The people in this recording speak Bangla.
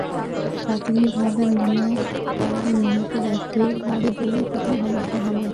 প্রাথমিক ভাবে মনে করা হচ্ছে, নিহত ব্যক্তির বাড়ি দূরে কোথাও হবে।